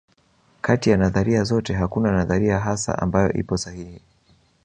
Kati ya nadharia zote hakuna nadharia hasa ambayo ipo sahihi